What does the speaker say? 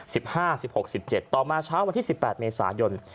สิบห้าสิบหกสิบเจ็ดต่อมาเช้าวันที่สิบแปดเมษายน